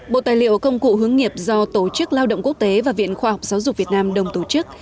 bộ tài liệu công cụ hướng nghiệp do tổ chức lao động quốc tế và viện khoa học giáo dục việt nam đồng tổ chức